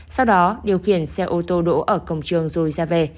sau đó điều khiển xe ô tô đỗ ở cổng trường rồi ra về